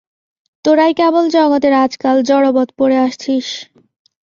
তোরাই কেবল জগতে আজকাল জড়বৎ পড়ে আছিস।